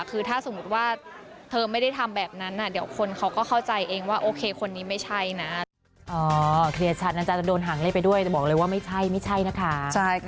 คือถ้าสมมุติว่าเธอไม่ได้ทำแบบนั้นเดี๋ยวคนเขาก็เข้าใจเองว่าโอเคคนนี้ไม่ใช่นะ